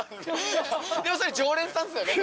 でもそれ常連さんですよね？